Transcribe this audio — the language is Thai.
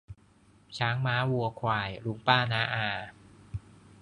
ช้างม้าวัวควาย ลุงป้าน้าอา